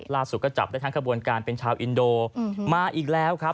ล่าสุดก็จับได้ทั้งขบวนการเป็นชาวอินโดมาอีกแล้วครับ